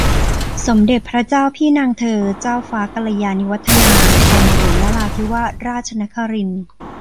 สมเด็จพระเจ้าพี่นางเธอ เจ้าฟ้ากัลยาณิวัฒนา กรมหลวงนราธิวาสราชนครินทร์